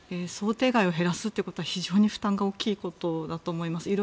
想定外を減らすというのは非常に負担が大きいことだと思います。